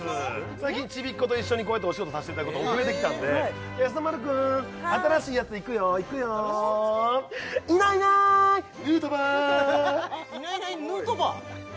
最近ちびっこと一緒にこうやってお仕事させていただくこと増えてきたんでやさ丸くん新しいやついくよいくよいないいないヌートバいないいないヌートバー？